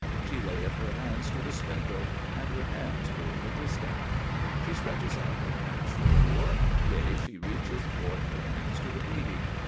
She layeth her hands to the spindle, and her hands hold the distaff. She stretcheth out her hand to the poor; yea, she reacheth forth her hands to the needy.